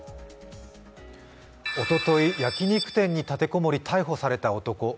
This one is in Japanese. おととい、焼き肉店に立て籠もり逮捕された男。